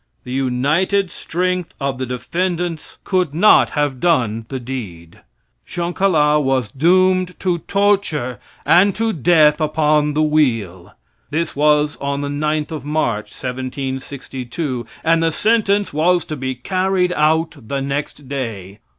The united strength of the defendants could not have done the deed. Jean Calas was doomed to torture and to death upon the wheel. This was on the 9th of March, 1762, and the sentence was to be carried out the next day.